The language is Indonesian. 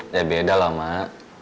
ya beda lah mak